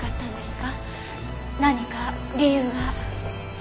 何か理由が？